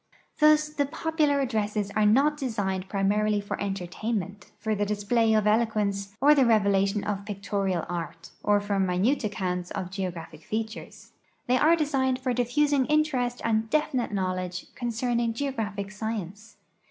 Thus the popular addresses are not designed primarily for entertainment, for the display of eloquence or the revelation of pictorial art, or for minute accounts of geogra|)hic features; they are designed for diffusing interest and definite knowledge concerning geographic science.